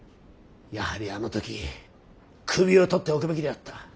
やはりあの時首を取っておくべきであった。